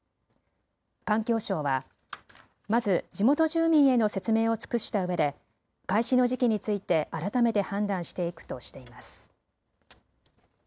環境省はまず地元住民への説明を尽くしたうえで開始の時期について改めて判断していくとしています。